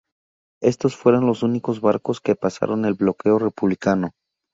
Estos fueron los únicos barcos que pasaron el bloqueo republicano.